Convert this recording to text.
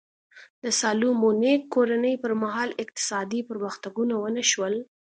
د سالومونیک کورنۍ پر مهال اقتصادي پرمختګونه ونه شول.